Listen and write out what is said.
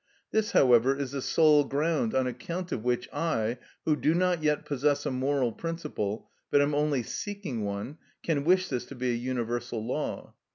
This, however, is the sole ground on account of which I, who do not yet possess a moral principle, but am only seeking one, can wish this to be a universal law.